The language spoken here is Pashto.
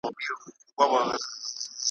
زه به قدم د رقیبانو پر لېمو ایږدمه `